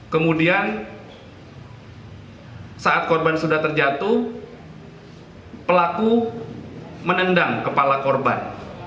kemudian saat korban sudah terjatuh pelaku menendang kepala korban